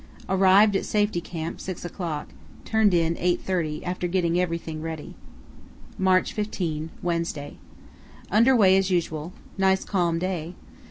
Arrived at Safety Camp 6 o'clock, turned in 8.30, after getting everything ready. "March 15, Wednesday.—Under way as usual. Nice calm day.